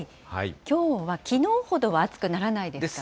きょうはきのうほどは暑くならないですかね。